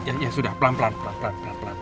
ya ya sudah pelan pelan pelan pelan